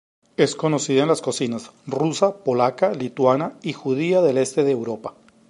Es conocida en las cocinas rusa, polaca, lituana y judía del este de Europa.